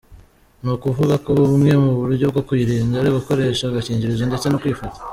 Nukuvuga ko bumwe mu buryo bwo kuyirinda ari ugukoresha agakingirizo ndetse no kwifata.